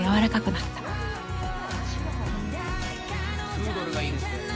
プードルがいいですね。